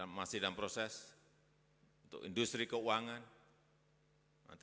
investasi yang ditentukan travaille dalam kaya gede